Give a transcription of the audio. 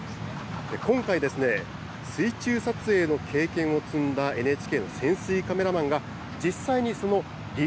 今回、水中撮影の経験を積んだＮＨＫの潜水カメラマンが、実際にその離